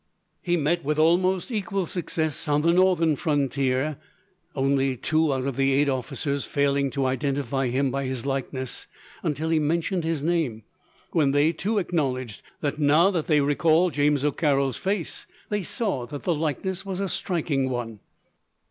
He met with almost equal success on the northern frontier, only two out of eight officers failing to identify him by his likeness; until he mentioned his name, when they, too, acknowledged that, now they recalled James O'Carroll's face, they saw that the likeness was a striking one.